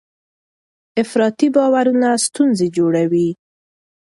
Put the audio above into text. افراطي باورونه ستونزې جوړوي.